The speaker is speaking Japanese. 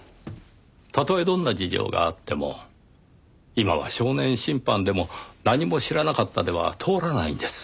たとえどんな事情があっても今は少年審判でも「何も知らなかった」では通らないんです。